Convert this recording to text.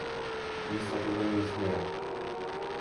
Nic takiego nie istnieje